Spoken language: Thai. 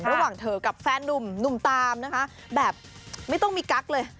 ระหว่างเธอกับแฟนนุ่มตามนะคะแบบไม่ต้องมีกั๊กเลย